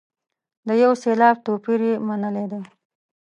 د یو سېلاب توپیر یې منلی دی.